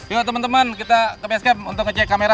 yuk teman teman kita ke base camp untuk ngecek kamera